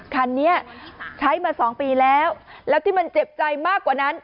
คันนี้ใช้มา๒ปีแล้วแล้วที่มันเจ็บใจมากกว่านั้น